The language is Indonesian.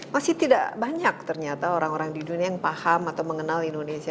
masih tidak banyak ternyata orang orang di dunia yang paham atau mengenal indonesia